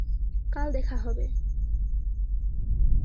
কাল দেখা হবে।